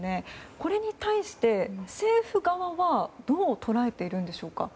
これに対して政府側はどう捉えているんでしょうか。